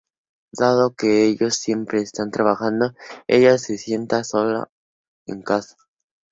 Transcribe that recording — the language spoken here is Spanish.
Dado que ellos siempre están trabajando, ella se siente sola en casa.